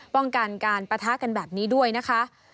ป้องกันการปะทะกันแบบนี้ด้วยนะคะ